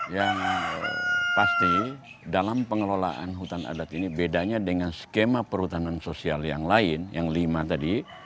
yang pasti dalam pengelolaan hutan adat ini bedanya dengan skema perhutanan sosial yang lain yang lima tadi